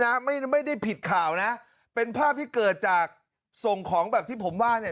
นะไม่ได้ผิดข่าวนะเป็นภาพที่เกิดจากส่งของแบบที่ผมว่าเนี่ย